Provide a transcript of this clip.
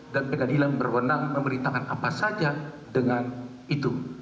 dan pengadilan berwenang memberitakan apa saja dengan itu